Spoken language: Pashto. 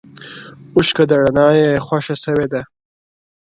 o اوښـكه د رڼـــا يــې خوښــــه ســـوېده؛